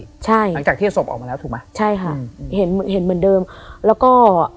อเรนนี่ใช่อเจมส์หลังจากที่จะสวบออกมาแล้วถูกไหมอเรนนี่ใช่ค่ะเห็นเหมือนเดิมแล้วก็